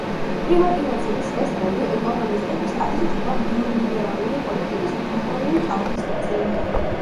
პრივატიზაციის ეს ტრენდი ეკონომისტების აზრით იყო ნეოლიბერალური პოლიტიკის გლობალური ტალღის ნაწილი.